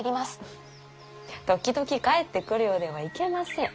時々帰ってくるようではいけません。